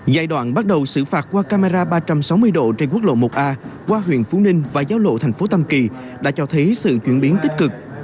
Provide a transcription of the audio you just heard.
giai đoạn bắt đầu xử phạt qua camera ba trăm sáu mươi độ trên quốc lộ một a qua huyện phú ninh và giao lộ thành phố tam kỳ đã cho thấy sự chuyển biến tích cực